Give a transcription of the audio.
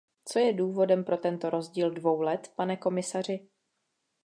Co je důvodem pro tento rozdíl dvou let, pane komisaři?